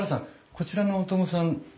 こちらの小友さん